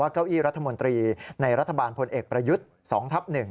เก้าอี้รัฐมนตรีในรัฐบาลพลเอกประยุทธ์๒ทับ๑